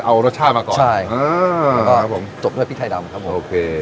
เอารสชาติมาก่อนใช่เออครับผมจบด้วยพริกไทยดำครับผมโอเค